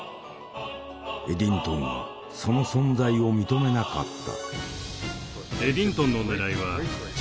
エディントンはその存在を認めなかった。